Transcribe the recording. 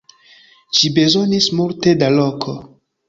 Ĝi bezonis multe da loko.